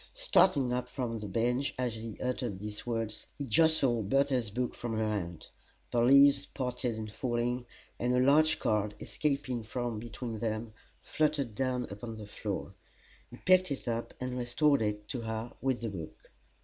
Starting up from the bench as he uttered these words he jostled Bertha's book from her hand. The leaves parted in falling, and a large card, escaping from between them, fluttered down upon the floor. He picked it up and restored it to her, with the book.